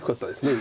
今。